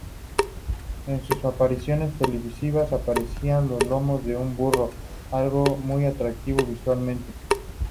En sus apariciones televisivas aparecían a lomos de un burro, algo muy atractivo visualmente.